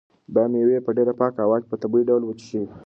دا مېوې په ډېره پاکه هوا کې په طبیعي ډول وچې شوي.